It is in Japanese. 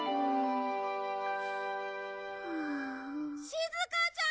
しずかちゃーん！